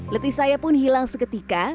letih saya pun hilang seketika